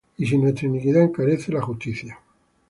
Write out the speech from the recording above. Y si nuestra iniquidad encarece la justicia de Dios,